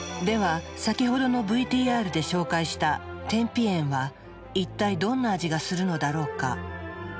では先ほどのＶＴＲで紹介した天日塩は一体どんな味がするのだろうか？